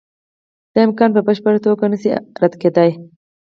دا امکان په بشپړه توګه نشي رد کېدای.